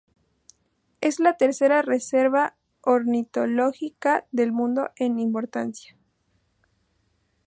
Es la tercera reserva ornitológica del mundo en importancia.